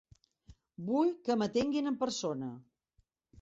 Vull que m'atenguin en persona.